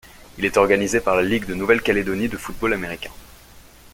Il est organisé par la Ligue de Nouvelle-Calédonie de football américain.